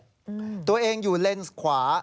อืมตัวเองอยู่เลนส์ขวา